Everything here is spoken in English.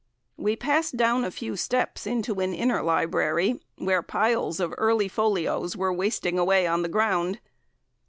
We passed down a few steps into an inner library where piles of early folios were wasting away on the ground.